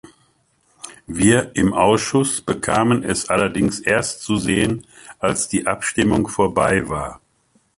Wir im Ausschuss bekamen es allerdings erst zu sehen, als die Abstimmung vorbei war.